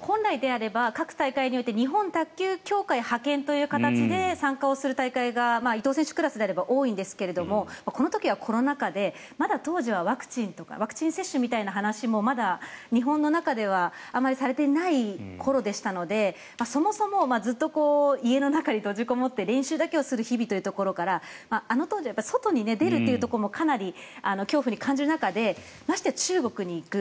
本来であれば各大会において日本卓球協会派遣という形で参加をする大会が伊藤選手クラスであれば多いんですけどこの時はコロナ禍でまだ当時はワクチンとかワクチン接種みたいな話もまだ日本の中ではあまりされていない頃でしたのでそもそもずっと家の中に閉じこもって練習だけをする日々というところからあの当時は外に出ることもかなり恐怖を感じる中でましてや中国に行く。